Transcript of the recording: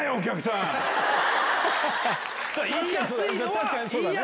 確かにそうだね。